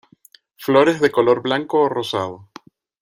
Flores de color blanco o rosado.